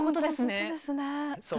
本当ですね。